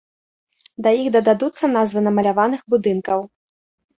Да іх дададуцца назвы намаляваных будынкаў.